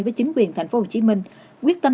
với chính quyền tp hcm quyết tâm